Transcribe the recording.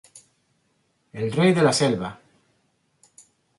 El rei de la selva.